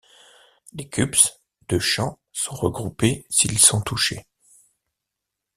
Les kubbs de champ sont regroupés s'ils sont touchés.